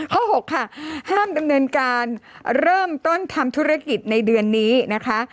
หกค่ะห้ามดำเนินการเริ่มต้นทำธุรกิจในเดือนนี้นะคะ